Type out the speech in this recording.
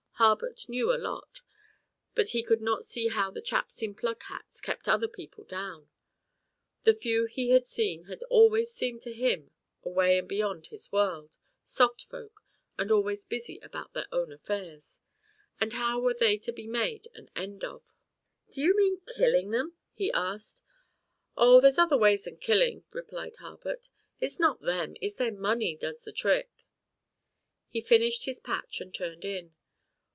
Harbutt knew a lot but he could not see how the chaps in plug hats kept other people down; the few he had seen had always seemed to him away and beyond his world, soft folk, and always busy about their own affairs and how were they to be made an end of? "Do you mean killing them?" he asked. "Oh, there's other ways than killin'," replied Harbutt. "It's not them, it's their money does the trick." He finished his patch and turned in.